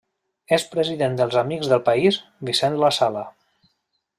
És president dels Amics del País, Vicent Lassala.